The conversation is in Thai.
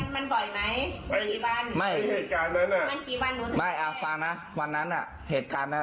แล้วมันบ่อยไหมบริบันมันกี่วันไม่ฟังนะวันนั้นเหตุการณ์